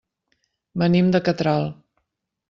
Venim de Catral.